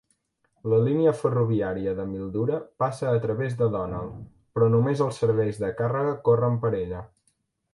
La línia ferroviària de Mildura passa a través de Donald, però només els serveis de càrrega corren per ella.